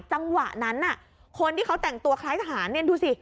จังหวะนั้นคนที่เขาแต่งตัวคล้ายทหารเนี่ยดูสิ